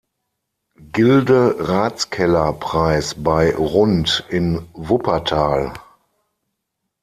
Gilde-Ratskeller-Preis bei Rund in Wuppertal.